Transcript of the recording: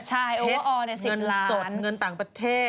ใช่โอเวอร์ออร์เนี่ย๑๐ล้านเห็นเงินสดเงินต่างประเทศ